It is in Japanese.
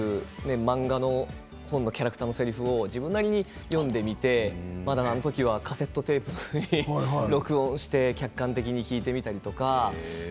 漫画の本のキャラクターのせりふを自分なりに読んでみてまだあの時はカセットテープに録音して客観的に聞いてみたりとか。